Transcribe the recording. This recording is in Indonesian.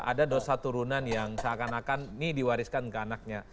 ada dosa turunan yang seakan akan ini diwariskan ke anaknya